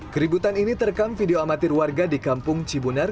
keributan ini terekam video amatir warga di kampung cibunar